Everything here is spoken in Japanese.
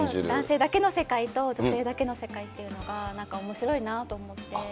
男性だけの世界と、女性だけの世界っていうのが、おもしろいなと思って。